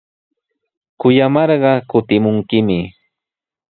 Kuyamarqa kutimunkimi.